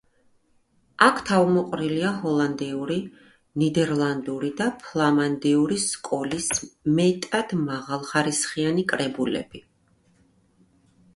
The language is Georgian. აქ თავმოყრილია ჰოლანდიური, ნიდერლანდური და ფლამანდიური სკოლის მეტად მაღალხარისხიანი კრებულები.